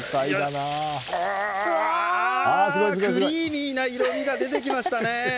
クリーミーな色味が出てきましたね！